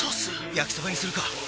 焼きそばにするか！